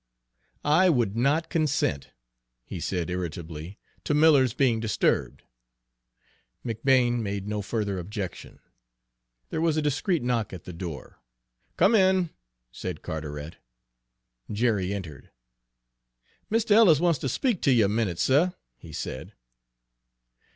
"I would not consent," he said irritably, "to Miller's being disturbed." McBane made no further objection. There was a discreet knock at the door. "Come in," said Carteret. Jerry entered. "Mistuh Ellis wants ter speak ter you a minute, suh," he said.